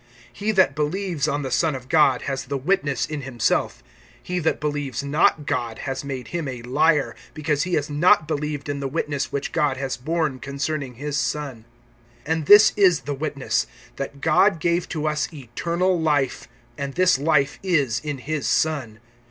(10)He that believes on the Son of God has the witness in himself; he that believes not God has made him a liar; because he has not believed in the witness which God has borne concerning his Son. (11)And this is the witness, that God gave to us eternal life, and this life is in his Son.